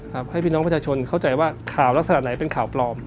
ให้พี่น้องประชาชนเข้าใจว่าข่าวลักษณะไหนเป็นข่าวปลอม